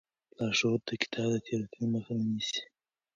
لارښود کتاب د تېروتنې مخه نیسي.